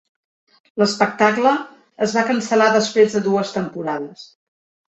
L'espectacle es va cancel·lar després de dues temporades.